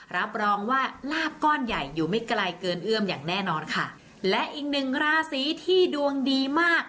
รับรองว่าลาบก้อนใหญ่อยู่ไม่ไกลเกินเอื้อมอย่างแน่นอนค่ะและอีกหนึ่งราศีที่ดวงดีมาก